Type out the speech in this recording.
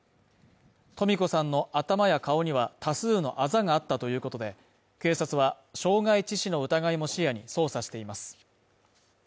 とみ子さんの頭や顔には多数のあざがあったということで、警察は傷害致死の疑いも視野に捜査しています